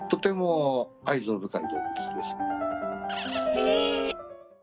へえ。